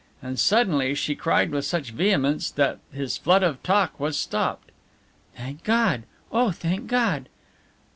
And suddenly she cried with such vehemence that his flood of talk was stopped: "Thank God! Oh, thank God!"